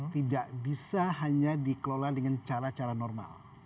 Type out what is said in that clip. tidak bisa hanya dikelola dengan cara cara normal